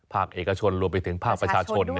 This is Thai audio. ภาคเอกชนรวมไปถึงภาคประชาชน